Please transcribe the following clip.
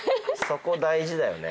そこ大事だよね。